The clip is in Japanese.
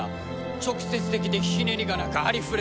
直接的でひねりがなくありふれた表現。